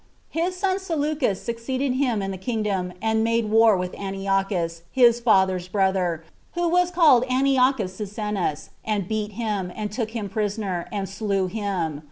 36 His son Seleucus succeeded him in the kingdom, and made war with Antiochus, his father's brother, who was called Antiochus Cyzicenus, and beat him, and took him prisoner, and slew him.